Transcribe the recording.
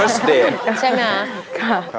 แรกที่แรกใช่ไหมครับ